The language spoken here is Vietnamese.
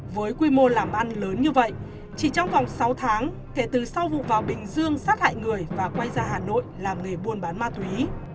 với quy mô làm ăn lớn như vậy chỉ trong vòng sáu tháng kể từ sau vụ vào bình dương sát hại người và quay ra hà nội làm nghề buôn bán ma túy